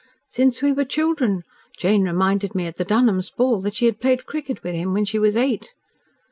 "Since we were children. Jane reminded me at the Dunholms' ball that she had played cricket with him when she was eight."